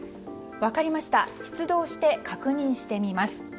分かりました、出動して確認してみます。